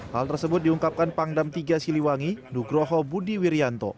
hal tersebut diungkapkan pangdam tiga siliwangi nugroho budi wirianto